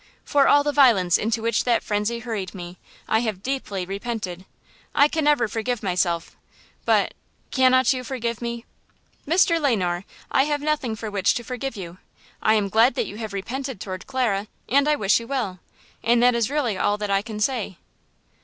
For all the violence into which that frenzy hurried me I have deeply repented. I can never forgive myself, but–cannot you forgive me?" "Mr. Le Noir, I have nothing for which to forgive you. I am glad that you have repented toward Clara and I wish you well, and that is really all that I can say."